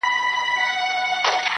په دې اړه به هم څه ووایو